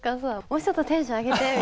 もうちょっとテンション上げてみたいな。